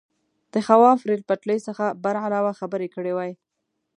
د خواف ریل پټلۍ څخه برعلاوه خبرې کړې وای.